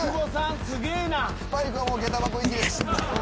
スパイクはもうげた箱行きです。